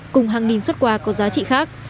cùng hàng nghìn xuất quà có giá trị khác